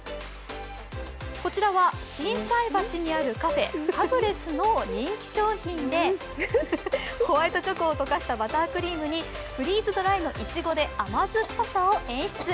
こちらは心斎橋にあるカフェ、タブレスの人気商品でホワイトチョコを溶かしたバタークリームにフリーズドライのいちごで甘酸っぱさを演出。